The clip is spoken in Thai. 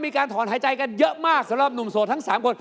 มีการถอนหายใจกันเยอะมากสำหรับหนุ่มโสดทั้ง๓คน